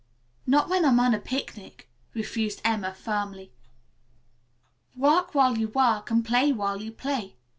"Not when I'm on a picnic," refused Emma firmly. "'Work while you work and play while you play.'